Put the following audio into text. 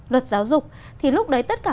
luật giáo dục thì lúc đấy tất cả